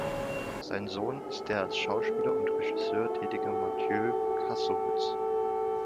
Sein Sohn ist der als Schauspieler und Regisseur tätige Mathieu Kassovitz.